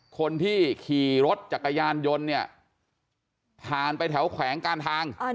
คนที่ขี่รถจักรยานยนต์เนี่ยผ่านไปแถวแขวงการทาง